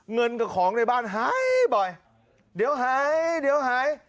เงินกับของในบ้านหายบ่อยเดี๋ยวหายเดี๋ยวหาย